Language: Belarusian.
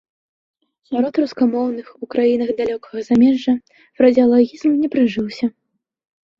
Сярод рускамоўных у краінах далёкага замежжа фразеалагізм не прыжыўся.